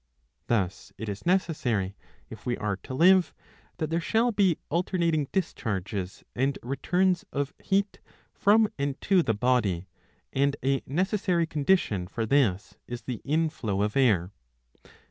Thus it is necessary [if we are to live] that there shall be alternating discharges and returns of heat from and to the body, and a necessary condition for this is the inflow of air.